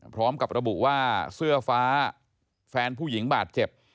พร้อมกับระบุว่าเสื้อฟ้าแฟนผู้หญิงบาดเจ็บ